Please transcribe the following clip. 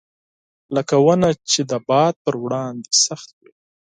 لکه ونه چې د باد پر وړاندې سخت وي.